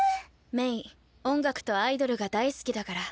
メイ音楽とアイドルが大好きだから。